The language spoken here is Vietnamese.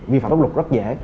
vi phạm pháp luật rất dễ